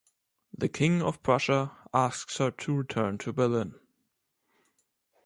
The King of Prussia asks her to return to Berlin.